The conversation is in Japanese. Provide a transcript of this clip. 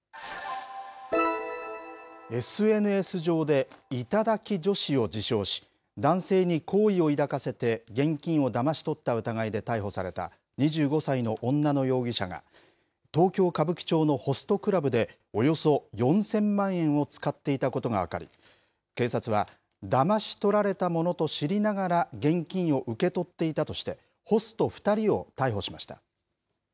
ＳＮＳ上で、頂き女子を自称し、男性に好意を抱かせて現金をだまし取った疑いで逮捕された２５歳の女の容疑者が、東京・歌舞伎町のホストクラブでおよそ４０００万円を使っていたことが分かり、警察は、だまし取られたものと知りながら、現金を受け取っていたとして、ホスト２人を逮捕しました。